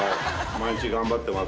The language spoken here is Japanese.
毎日頑張ってます。